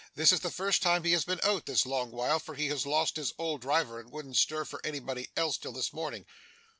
This is the first time he has been out, this long while, for he has lost his old driver and wouldn't stir for anybody else, till this morning.